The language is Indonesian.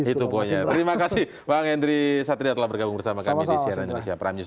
itu poinnya terima kasih bang henry satria telah bergabung bersama kami di cnn indonesia prime news